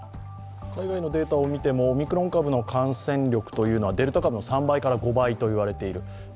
海外のデータを見てもオミクロン株の感染力はデルタ株の３倍から５倍といわれている。